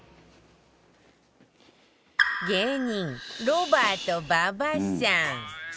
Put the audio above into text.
芸人ロバート馬場さん